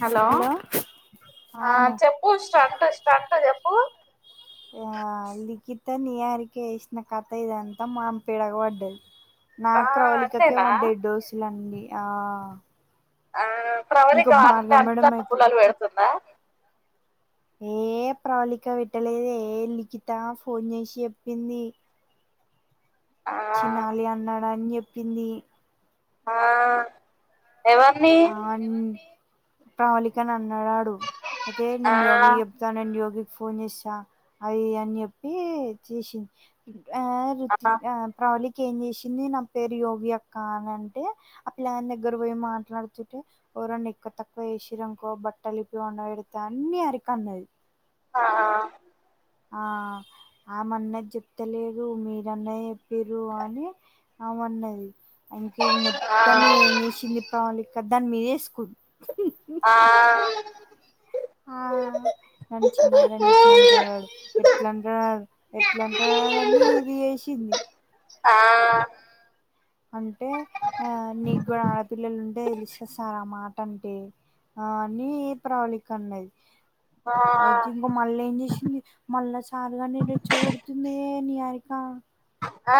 Hello ఆ ఆనే చెప్పు స్టంట్ స్టంట్ చెప్పు ఆ లిఖిత నియర్కి ఏసిన కథ ఇదంతా మాం పిడకుబడ్డది ఆ నాకు ప్రవళిక కె అంతేనా బడెడ్ డోసులన్ని ఆ ఆ ప్రబలి ఇంకో గార్డ భార్గవి అంతా మేడం అయితే పులలు పెడుతుందా ఏ ప్రవళిక పెట్టలేదే లిఖిత ఫోన్ చేసి చెప్పింది ఆ చినాలి అన్నాడు అని చెప్పింది ఆ ఎవర్ని ప్రవళికని అన్నాడాడు అయితే ఆ నేను యోగి యోగికి ఫోన్ చేస్న అవి అని చెప్పి చేసింది ఆ ప్రవళికి ఏం జేషింది నా పేరు యోగి అక్క అనంటే ఆ పిల్లాని దగ్గర బొయి మాట్లాడు ఎవురన్న ఎక్కువ తక్కువ వేసిరంకో బట్టలిప్పి వండ పెడత అన్ని అరిక అన్నది ఆ ఆ ఆ ఆమన్నది జెప్తలేరు మీరన్న చెప్పిర్రు అని ఆమన్నది ఇంక ఇది ఆ ఆ ఆ మొత్తం మీద ఏం చేసింది ప్రవళిక దాని మీ వేస్కు ఆ మన చిన్నగాడ్ని ఎట్లంటడాడు ఎట్లంటా ఎట్లంటాదని ఇది ఏసింది ఆ అంటే ఆ నీగ్గు ఆపిల్లలుంటే లిస్తే సార్ ఆ మాటంటే ఆ నీ ప్రవళిక అన్నది అ మళ్ళ ఏం చేసింది మళ్ళా సారుగానె రెచ్చ గొడుతుందే నిఆరిక ఆ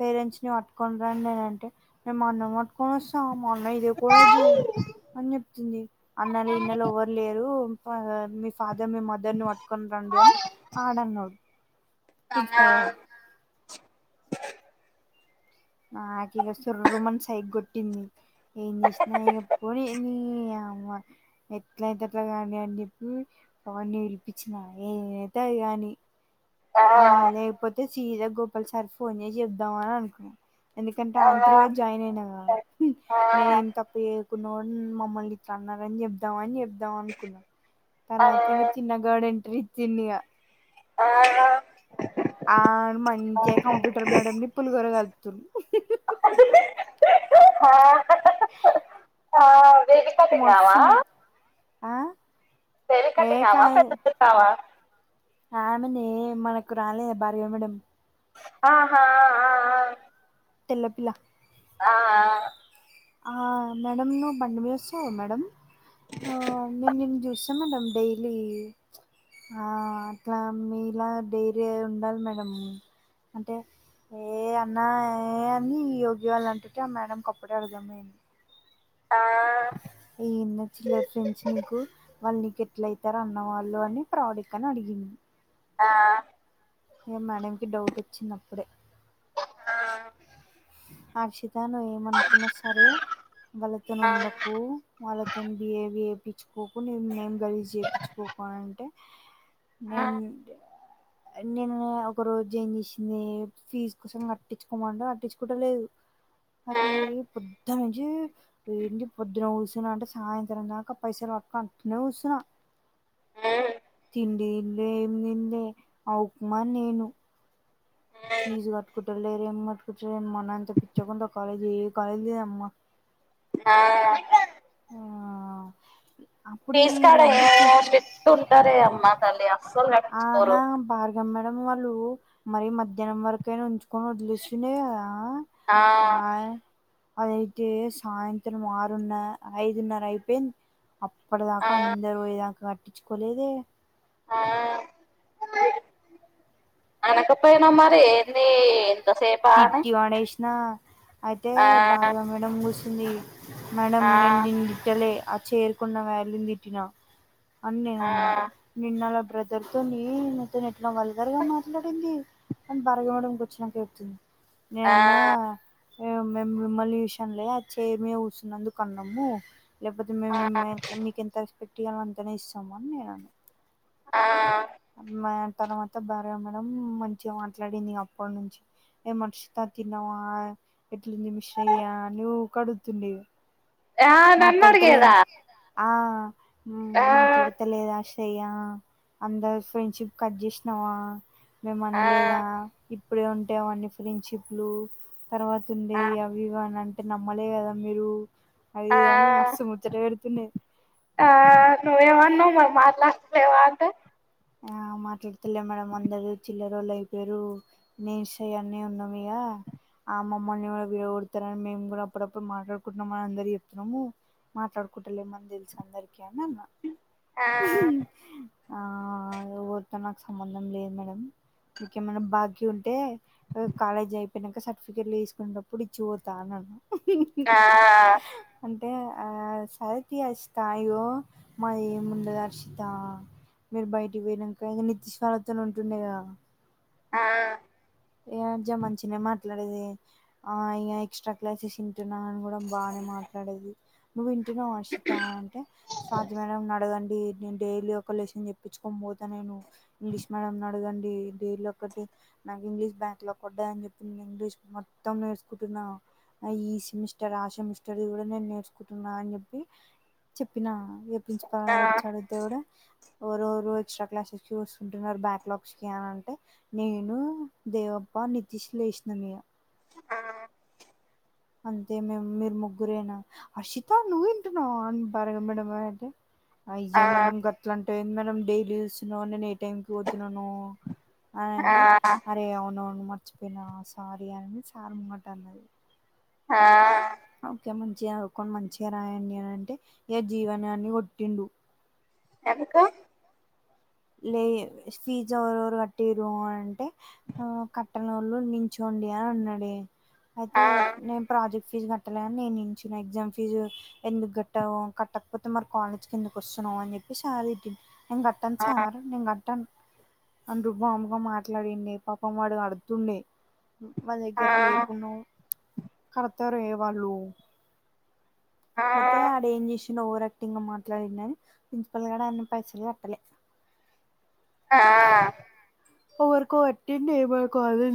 పేరెంట్స్ ని పట్టుకోని రండి అనంటే నేను మా అన్న పట్టుకొని వస్తా మా అన్న ఇదే కాలేజు అని జెప్తుంది అన్నలు ఇన్నెలు ఎవ్వరు లేరు మీ ఫాదర్ మీ మదర్ ని పట్కోని రండి అని ఆడన్నాడు పిచ్చి టంగా పడ్డాడు నాకిగ సుర్రు మని సైగ్ గొట్టింది ఏం జేస్న ఇగ పొని నీయవ్వ ఎట్లైతే అట్ల గానీ అని జెప్పి వాన్ని విలిపిచ్చిన ఏతే అది గాని ఆ లేకపోతే సీద గోపాల్ సార్కి ఫోన్ జేసి జెప్దాం అననుకున్నా ఎందుకంటే ఆంత్రుగా జాయిన్ అయినాగా నేనేం తప్పు మమ్మల్నిట్ల అన్నారని జెప్దామని జెప్దాం అనుకున్నా తర్వాత ఇంగ చిన్నగాడు ఎంట్రీ ఇచ్చిండిగా ఆ అడు మంచిగా కంప్యూటర్ మేడం ని పులిగోర కలుపుతుండు ఆ వే మస్తును ఆ పెరి ఏ కటిగావా కాదు పెటుకుంటావా ఆమెనే మనకు రాలేద భర్య మెడం ఆహా తెల్ల పిల్ల ఆ ఆ మేడం నువ్వు బండి మీద వస్తావు మేడం మేడం డైలీ ఆ అట్లా మీ ఇలా డైరీ ఉండాలి మేడం అంటే ఏ అన్నా ఏ అని యోగి వాళ్ళు అంటుంటే ఆ మేడం కప్పు దమేన్ ఆ ఏం చిల్లర్ ఫ్రెండ్స్ నీకు వాళ్ నీకే ఎట్లయితరు అన్నవాళ్ళు అని ప్రవళికని అడిగింది ఆ ఏ మేడంకిి డౌట్ వచ్చినప్పుడే ఆ అర్షిత నువ్ ఏమనుకున్నా సరే వాళ్ళతోన్ ఆ ఉండకు వాళ్ళ తను బిఏవి ఏపిచుకోకు నేను నేమ్ రైస్ చేపిచుకోకు అంటే నేన్ నేను ఒక రోజు ఏం చేసింది ఫీజ్ కోసం కట్టిచుకోమంటే కట్టిచు కుడ లేదు అది పో పొద్దనుంచి ఏంటి పొద్దున కూసున్న అంటే సాయంత్రం దాకా పైసలు పట్టుకుని అట్నే కూసున్న ఆ తిండెం ఎంలే ఏం దిన్లె ఆ ఉప్మా నేను ఫీజు కట్టుకుంట లేరు ఏం కట్టుకుంట రు మా నాన్న చెపిచ్చ ముందు ఆ కాలేజ్ ఏ కాలేజ్ లేదమ్మా ఆ ఆ అప్పుడు ఫేస్ కాడ ఏ వీళ్ళంతా చే ష్ పెట్టుంటారే అమ్మ తల్లి అస్సలు పట్టించుకోరు ఆహా బార్ గ మేడం వాళ్ళు మరిీ మధ్యాహ్నం వరకైనా ఉంచుకొని వదిలిషుండే కదా ఆ అదయితే సాయంత్రం ఆరున్న ఐదున్నర అయిపోయి ఆ అప్పటిదాకా అందరూ వోయేదాకా కట్టిచుకోలేదే ఆ అనకపోయన మరి దీ ఎంతసేపా అని తిట్టి పడేసిన ఆ డం బూసింది. మేడం ఆ నేన్ నిన్ తిట్టలే ఆ చెర్ కొన్న వాల్లు నీ తిట్టినా అన్ నేన్ ఆ అన్నా, నిన్న అలా బ్రదర్ తోని నాతోని ఇట్లా వల్గర్ గా మాట్లాడింది అని భార్గవి మేడం కి వచ్చినాక ఎప్పిచింది. ఆ నేనన్నా ఏం మేం మిమ్మల్ని చూసి ఆన్లే ఆ చెయిర్ మీద కుసున్నందుకు అన్నము. లేకపోతే మేం ఆ మెరికి మీకెంత రెస్పెక్ట్ ఇయ్యాలో అంతనే ఇస్సము అన్ నేనన్న. ఆ మా ఆ తర్వాత భార్గవి మేడం మంచిగ మాట్లాడింది అప్పడ్నుంచి. ఏం హర్షిత తిన్నావా, ఎట్లుంది మీ శ్రేయ అన్ ఊక అడుగుతుంది. ఆ నన్ను మాట్లాడతలే అడిగేదా ఆ మా ఆ మాట్లాడత లేద అష్ శేయ అందరు ఫ్రెండ్షిప్ కట్ చేసినావా మేం ఆ అన్లేదా ఇప్పుడే ఉంటాయి అవన్నీ ఫ్రెండ్షిప్లు తర్వాత ఉండే ఆ అవి ఇవని అంటే నమ్మలే కదా మీరు, అది ఆ ఇది అన్ మస్తు ముచ్చట పెడుతుండే. ఆ నువ్వేమన్నవ్ మరి మాట్లాస్తులేవా అంటే ఆ మాట్లాడుతలే మేడం అందరు చిల్లరోళ్ళు అయిపోయిరు. నేన్ శ్రేయనే ఉన్నమిగా అమ్మమ్మల్ని కూడా వీడ గొడ్తర మేం కూడ అప్పుడప్పుడు మాట్లాడుకుంట్నం అని అందరూ చెప్తున్నాము. మాట్లాడుకుంటలేం అన్ తెలుసందరికి అన్ అన్నా ఆ ఆ ఎవరితో నాకు సంబంధం లేదు మేడం, మీకేమన్న బాకీ ఉంటే ఆ కాలేజ్ అయిపోయినాక సర్టిఫికెట్లు తీసుకునేతప్పుడు ఇచ్చి పోతాన్న. ఆ అంటే ఆ సౌదీయ స్థాయిలో మాది ఎ ముందాది అర్చిత మీరు బయట్ పోయినాక ఇక నితీష్్వాలతోనే ఉంటుండేక ఆ ఏ అజా మంచినే మాట్లాడేది ఆ ఇ ఎక్స్ట్రా క్లాసెస్ తంటున్నా అని కూడా బాగానే మాట్లాడేది నువ్వు ఎట్ను అషిత అంటే స్వాధమన నడగండి నేను డైలీ ఒక లెసన్ చెప్పించుకోనీ పోత నేను ఇంగ్లీష్ మేడంని అడగండి డైలీ ఒక్కటి నాకు ఇంగ్లీష్ బ్యాంక్ లో కొడ్డాయని చెప్పి నేను ఇంగ్లీష్ మొత్తం నేర్చకుంటున్నా ఈ సెమిస్టర్ ఆ సెమిస్టర్ది కూడా నేను నేర్చుకుంటున్నా అని చెప్పి చెప్పినా ఇక ఆ ప్రిన్సిపాల్ అచ్చి అడుగుతే కూడా ఎరోరు ఎక్స్ట్రా క్లాసెస్ కి చూస్తుకుంటున్నారు బ్యాక్ లాగ్స్ కి అని అంటే నేను దేవప్ప నితీష్ లేష్నమియ ఆ అంతే మే మీరు ముగ్గురేనా అషితా నువ్వు ఇంటున్నావా ఆన్ బరాయి మేడం అంటే అయ్యా ఆ మేడం గట్ల అంటావేంది మేడం డైలీ చూినా నేను ను పోతున్నను అని ఆ అంటే అరే అవును అవును మర్చి చెప్పిన సారీ అని సార్ ముంగట అన్నది ఆ ఓకే మంచిగా చదుకొని మంచిగా రాయండి అని అంటే ఏ జీవనాన్ని కొట్టిండు ఎందుకు లే ఫీజ్ ఎవరెవరు కట్టిరు అంటే కట్టెనళ్లు నించోండి అని ఉన్నాడు అయితే ఆ నేను ప్రాజెక్ట్ ఫీజు కట్టలేని నేను నించున ఎగ్జామ్ ఫీజు ఎందుకు గట్టావు కట్టకపోతే మరి కాలేజ్ కి ఎందుకు వస్తున్నావు అని చెప్పి సార్ తిట్టిండు నేను కట్ట ఆ సార్ నేను కట్టాను అంటూ బామ్మగా మాట్లాడిడి పాపమ్ మాడు అడుతుండే మా ఆ దగ్గర లేకున్నా కడుతారే వాళ్ళు ఆ అయితే ఆడు ఏం చేసిండు ఓవర్ యాక్టింగ్ మాట్లాడిండ అని ప్రిన్సిపాల్ గడ అనీ పైసలు కట్టలే ఆ వరకో వటింట ఏ మకు అదు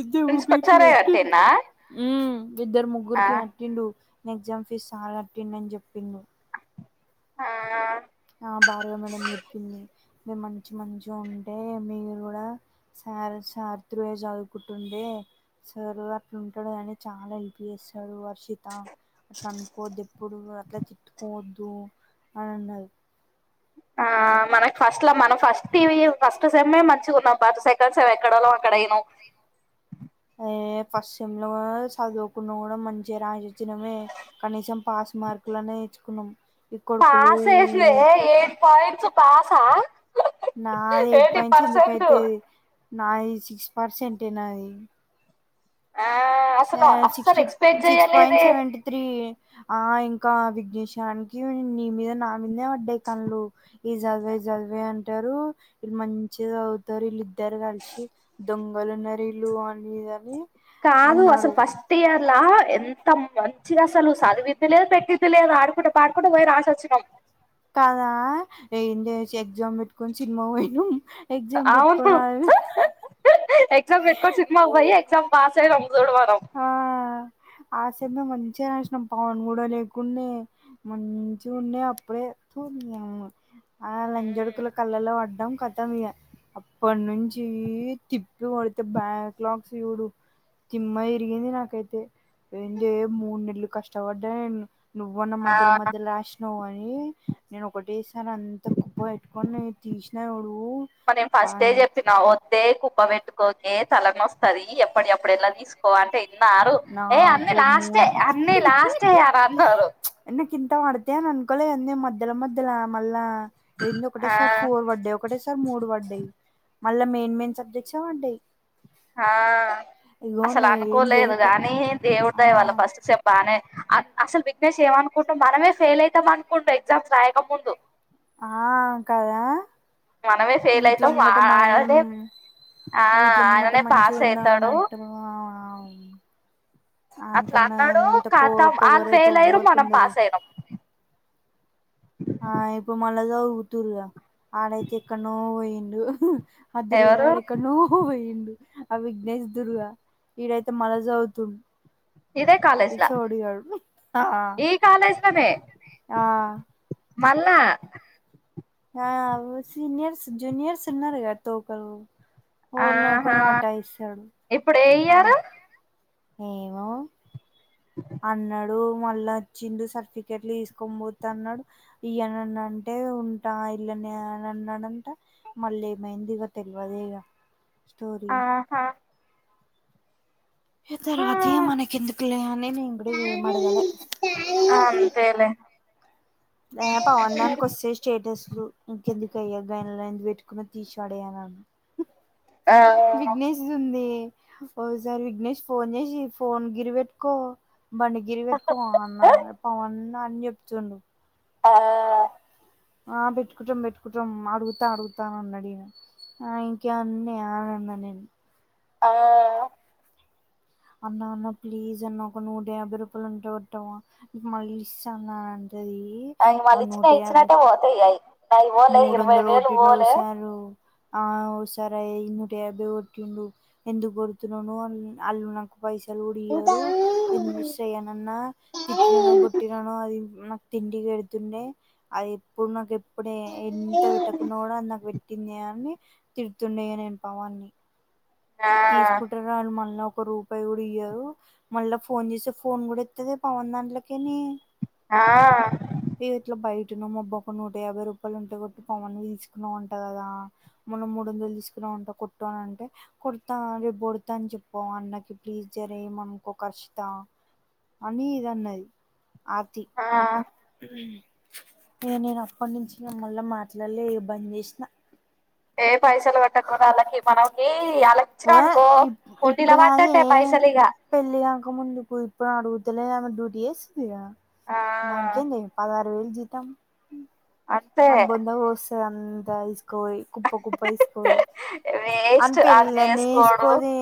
ఇద్దే ప్రిన్సిపల్ ఉఊగైకి సారే వెటి కట్టిండా ఉమ్ ఇద్దరు ఆ ముగ్గురికి కట్టిండు నా ఎగ్జామ్ ఫీజ్ సార్ కట్టిండు అని చెప్పిండు ఆ ఆ భారుగ మేడం చెప్పింది ఇ మంచి మంచిగా ఉంటే మీరు కూడా సార్ సార్ తృయ చర్దుకుంటుండే సారు అట్లుంటాడు కాని చాలా హెల్ప్ చేస్తాడు వర్షిత అట్లా అనుకోవద్దు ఎప్పుడు అట్లా తిట్టుకోవద్దు అని అన్నారు ఆ మనకి ఫస్ట్ లో మనం ఫస్ట్ ఫస్ట్ సేమే మంచిగా ఉన్నాం ఫస్ట్ సే సెకండ్ సేమ్ ఎక్కడోల్లం అక్కడమైనం ఎ ఫస్ట్ సెమ్ లో కూడా చదువుకున్న కూడా మంచి ర రాసచ్చినమే కనీసం పాస్ మార్కులన్న వేయించుకున్నం పాస్ ఎస్తే ఏయిట్ పాయింట్స్ పాసా నాది ఎయిట్ ఎయిటీ పాయింట్స్ పర్సెంట్ ఎందుకైతే నాది సిక్స్ పర్సెంట్ ఎ నాది ఆ హ అసలు అస్సలు సిక్స్టీ ఎక్స్పెక్ట్ సిక్స్ పాయిట్ చెయ్యలేదే సెవెంటి త్రి ఆ ఇంకా విఘ్నేశ్వరానికి నీ మీద నా మీదే పడ్డాయి కళ్లు ఈ చదివా చదివా అంటారు ఇళ్ళు మంచిగా అవుతారు వీళ్ళ ఇద్దరు కలిసి దొంగలు ఉన్నారు అనేదని కాదు అసలు ఫస్ట్ ఫస్ట్ ఇయర్ల ఎంత మంచిది అసలు చదివిద్దులేదు పెట్టిద్దులేదు ఆడుకుంటే పాడుకుంటే పోయి రాసి వచ్చినాం కాదా ఏంటి ఎగ్జామ్ పెట్టుకొని సినిమా పోయినా ఎగ్జమ్ పెట్టుకొని అ ఎక్జామ్ పెట్టుకోని సినిమా భయ ఎక్సామ్ పాస్ అయినం చూడు మనం ఆసమ మంచిగా నసినం పవన్ కూడా లేకుండే మంచిగుంది అప్పుడే దినంమ్మ ఆ లంజడుకుల కళ్ళలో పడ్డంం కథ ఇప్పటి నుంచి తిప్పులు కొడితే బ్యాక్ లాగస్ చూడు తిమ్మ ఎంది నాకైతే ఏంది మూడు నెలలు కష్టపడ్డా అయింది నువ్వన్న ఆ మొదల మొద్ అష్ట స్నో అని నేను ఒకటేసారి అంత కుప్ప పెట్టుకొని న తీసినా ఉడువు మనం ఫస్ట్ ఎ చెప్పినా వద్దే కుప్ప పెట్టుకోకే తలన వస్తంది ఎప్పటి ఎప్పుడ ఎలా తీసుకు అంటే ఇన్నారు ఏ అన్ని నాకు మూడు లాస్టేఎ అన్ని లాస్టేఎ అ అన్నారు నాకు ఇంత పడతే అని అనుకోలేదంది మధ్యలో మధ్యలో మళ్ళా ఏంది ఒకటే ఆ సార్ ఫోర్ పడ్డాయి ఒకటే సార్ మూడు పడ్డాయి మళ్ళా మెయిన్ మెయిన్ సబ్జెక్ట్స్ఎ పడ్డాయి ఆ ఇగో అసలు నువ్వు ఏం అనుకోలేదు చేయకు కాగాని దేవుడి ఆ దాయ వాళ్ళ ఫస్ట్ సే బాగానే అసలు విగ్నేష్ ఏయమ అనుకుంటాం మనమే ఫెయిల్ అవుతాం అనుకుంటాం ఎగ్జామ్స్ రాయక ముందు ఆ కదా మనమే ఫెయిల్ వీట్లో అయితాం ముంగట మనమేం అదే ఆ వీట్లో ముంగట ఆయననే మంచి పాస్ ఉందా అయితాడు అన్నట్టు అట్లా అనికన్నా అన్నాడు అంత కో ఖతం పొగర వాళ్ళు అయితే ఫెయిల్ ఒవ్వవు అయ్యారు వరకు మనం ఉండేది పాస్ అయినాం ఆ ఇప్పు మళ్ళ అయితే ఎక్కడ్నొ పోయారు అదరు అడ ఎవరు ఎక్కడున్నావ్ పోయిండు ఆ విఘ్నేష్ దుర్గా ఈడైతే మనచవుతుండు ఇదే ఈ కాలేజ్ లా చోడగా ఈ కాలేజ్ లోనే ఆ మళ్ళా సీనియర్స్ జూనియర్ సన్నరగా త క ఎవళ్ళ ఆహా ఓకలు పటా ఇస్తాడు ఇప్పుడు ఏ ఇయరు ఏమో అ అన్నాడు మళ్ళా వచ్చిడు సర్టిఫికెట్లు తీసుకొని పోతు అన్నాడు ఇ్యని అన్నా అంటే ఉంటా ఇల్లని అని అన్నాడంట మల్ళ మెహందిీగా తెలువదేగా స్టో హ ఏతరు హా అతీ మన కిందుకుిలనేే న ఇడ ఏమాడుగల అంతేలే ఏ పవన్ దన్ కొశేష్ స్టేటస్లు ఇంకెందుకుయ్యా గగాయన్లో ఎ పెట్టుకుని తీసి ఆడయనును ఆ విఘ్నేశ్ ఉంది ఒకసారి విఘ్నేష్ ఫోన్ చేసి ఫోన్ గిరి పెెట్టుకో బం గిరి పెెట్టుకో అన్న పవన్న అని చెప్తుండు ఆ ఆ పెట్టుకుంటాం పెట్టుకుంటాం అడుగుతాను అడుగుతాను అన్నడి ఈయన ఆ ఇంకా అన్ని ఆనంద నేను ఆ అన్నా అన్న ప్లీజ్ అన్న ఒక నూట యాభై రూపాయలు ఉంటే కొట్టవా నీకు మళ్ళీ ఇస్తా అన్నా అంటే అది అవి మళ్ళీ నూట ఇచ్చినయి యాభై ఇచ్చినట్టే పోతాయి అయి నాయి పోలే మూడు ఇరవై వందలు వేలు గొట్టిండు ఓ పోలే సారు ఆ ఒకసారి నూట యాభై గొట్టిండు ఎందుకు గొడుతున్నావ్ నువ్వు అలుగున పైసలు గూడ ఇయ్యరు ఎన్ని చేయనన్నా తిట్టిననో బొట్టిననో అది నాకు తిండి బెడుతుండే అది ఎప్పుడు నాకు ఎప్పుడు ఎంత పెట్టకున్న గూడా నాకు పెట్టింది అని తిడుతుండే నేను పవాన్ని ఆ తీసుకుంటారు ఆళ్ళు మళ్ళా ఒక రూ పాయి గూడా ఇయ్యారు మళ్ళా ఫోన్ జేస్తే ఫోన్ గూడా ఎత్తదే పవన్ దాంట్లకేళ్ళి ఆ ఇగ ఇట్లా బయట ఉన్న మబ్బ ఒక నూట యాభై రూపాయలు ఉంటే కొట్టి పవన్ను దీసుకున్న వంటా గదా మొన్న మూడు వందలు దీసుకున్న వంటా కొట్టు అని అంటే కొడతా రేపు గొడతా అని చెప్పవా అన్నకి ప్లీజ్ జర ఏమనుకోక్ హర్షితా అని ఇదన్నది ఆర్తి ఆ ఉమ్ ఇగ నేను అప్పటి నుంచి ఇగ మళ్ళ మాట్లాడలే ఇగ బంజేసినా ఏ పైసలు పెట్టకున్నా ఆళ్ళకి మనకి ఆళ్ళకి ఆ చ్చినవనుకో హుండీల బడ్డట్టే పైసలిగా పెళ్ళి గాక ముందుకు ఇప్పుడు అడుగుతలే ఆమె డ్యూటీ జేస్తుందిగా ఆ దానికేంది పద్ పదివేలు జీతం అంతే ఆని బొంద బోస్తది అంత దిస్కబోయ్ కుప్ప కుప్ప దీసుకపోయ్ ఆని వేస్ట్ ఆడు పెళ్ళమే చేసుకోడు యేసుకోదే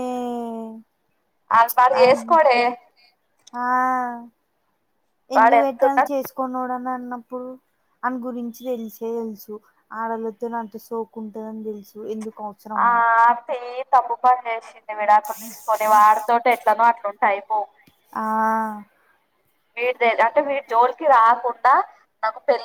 ఆడు వాడు అవును చేసుకోడే ఆ వాడు ఎందుకు పెట్టాలి ఎంతున్నా చేసుకోనోడు అని అన్నప్పుడు ఆని గురించి దెలిసే దెలుసు ఆడోలతోని అంత సోక్ ఉంటదని దెలుసు ఎందుకు అవ ఆ ఆర్తి తప్పు పని జేసింది. విడాకులు దీసుకొని వాడితోటే ఎట్లనో అట్లుంటే అయిపో ఆ వీడి దగ అంటే వీడి జోలికి రాకుండా నాకు పెళ్